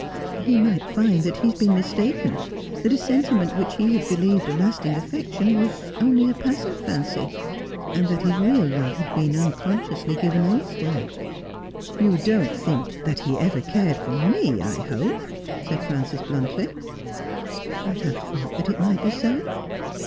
He might find that he had been mistaken, that a sentiment which he had believed a lasting affection was only a passing fancy, and that his real love had been unconsciously given elsewhere.' ' You don't think that he ever cared for me, I hope/ said Frances bluntly. ' I have thought that it might be so.'